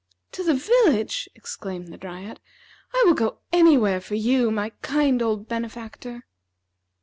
"To the village!" exclaimed the Dryad. "I will go anywhere for you, my kind old benefactor."